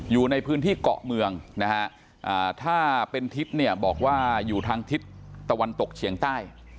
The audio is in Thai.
อยู่ในพื้นที่เกาะเมืองนะฮะถ้าเป็นทิศเนี่ยบอกว่าอยู่ทางทิศตะวันตกเฉียงใต้